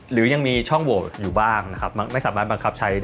หรือยังมีช่องโวธีอยู่บ้างนะครับ